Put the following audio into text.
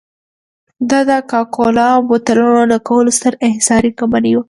دا د کوکا کولا بوتلونو ډکولو ستره انحصاري کمپنۍ وه.